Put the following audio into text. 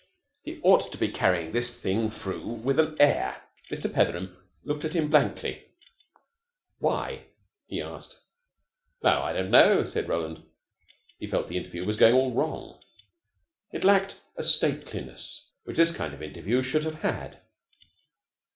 He ought to be carrying this thing through with an air. Mr. Petheram looked at him blankly. "Why?" he asked. "Oh, I don't know," said Roland. He felt the interview was going all wrong. It lacked a stateliness which this kind of interview should have had.